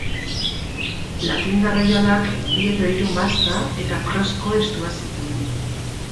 Latindar oihalak, bi edo hiru masta eta krosko estua zituen.